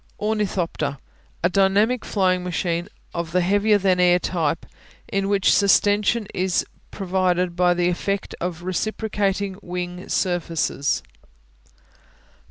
Ornithopter A dynamic flying machine of the heavier than air type, in which sustension is provided by the effect of reciprocating wing surfaces.